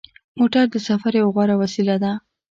موټر د سفر یوه غوره وسیله ده.